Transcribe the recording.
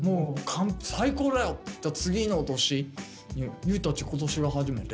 「最高だよ！」って言った次の年「ＹＯＵたち今年が初めて？」